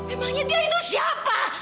emangnya dia itu siapa